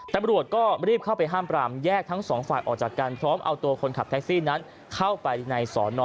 ตำรวจก็รีบเข้าไปห้ามปรามแยกทั้งสองฝ่ายออกจากกันพร้อมเอาตัวคนขับแท็กซี่นั้นเข้าไปในสอนอ